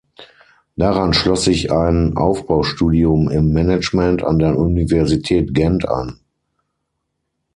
Daran schloss sich ein Aufbaustudium im Management an der Universität Gent an.